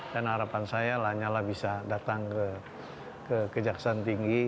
dan harapan saya lanyala bisa datang ke kejaksaan tinggi